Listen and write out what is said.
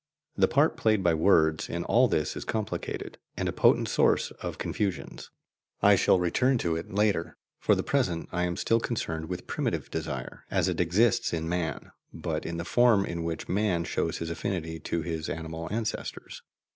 The part played by words in all this is complicated, and a potent source of confusions; I shall return to it later. For the present, I am still concerned with primitive desire, as it exists in man, but in the form in which man shows his affinity to his animal ancestors.